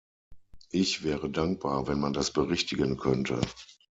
Ich wäre dankbar, wenn man das berichtigen könnte.